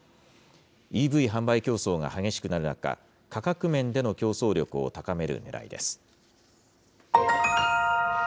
ＥＶ販売競争が激しくなる中、価格面での競争力を高めるねらいです。